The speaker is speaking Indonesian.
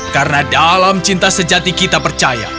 karena dalam cinta sejati kita percaya